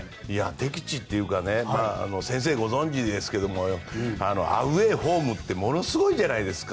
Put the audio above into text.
適地というか中林先生はご存じですけどアウェー、ホームってものすごいじゃないですか。